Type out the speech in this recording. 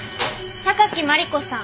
榊マリコさん